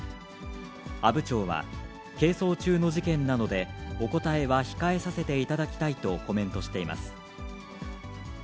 阿武町は、係争中の事件なので、お答えは控えさせていただきたいとコメントしています。